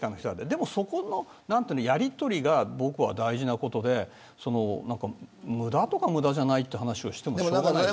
でも、そのやりとりが僕は大事なことで無駄とか無駄じゃないという話をしてもしょうがない。